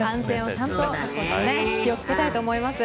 ちゃんと気を付けたいと思います。